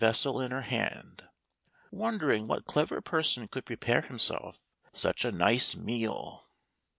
vessel in her hand, wondering what clever person could pre pare himself such a nice meal.